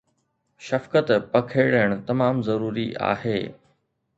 شفقت پکيڙڻ تمام ضروري آهي